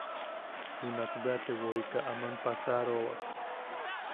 Junak bea te woika aman passaroawak.